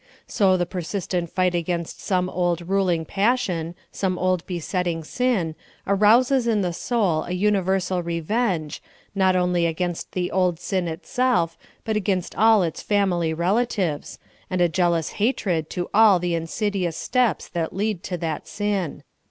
So the persistent fight against some old ruling passion, some old besetting sin, arouses in the soul a uni versal revenge, not onl} against the old sin itself, but against all its family relatives, and a jealous hatred to all the insidious steps that lead to that sin.